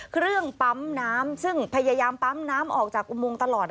เครื่องปั๊มน้ำซึ่งพยายามปั๊มน้ำออกจากอุโมงตลอด